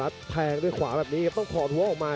กันต่อแพทย์จินดอร์